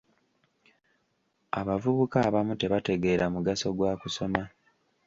Abavubuka abamu tebategeera mugaso gwa kusoma.